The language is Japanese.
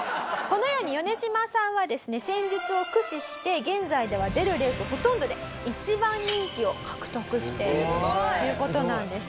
このようにヨネシマさんはですね戦術を駆使して現在では出るレースほとんどで１番人気を獲得しているという事なんです。